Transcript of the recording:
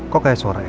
bagaimana suara elsa